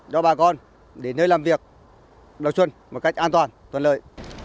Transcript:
cho bà con đến nơi làm việc đọc xuân một cách an toàn tuần lợi